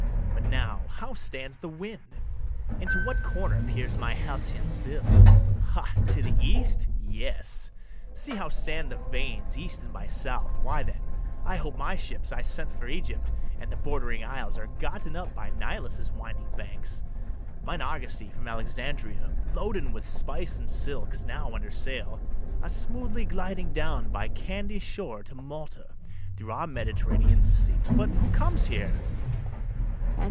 But now how stands the wind? Into what corner peers my halcyon's bill? Ha! to the east? yes. See how stand the vanes East and by south: why, then, I hope my ships I sent for Egypt and the bordering isles Are gotten up by Nilus' winding banks; Mine argosy from Alexandria, Loaden with spice and silks, now under sail, Are smoothly gliding down by Candy shore To Malta, through our Mediterranean sea. But who comes here?